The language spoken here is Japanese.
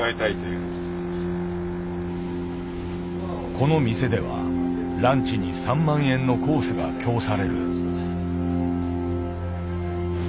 この店ではランチに３万円のコースが饗される。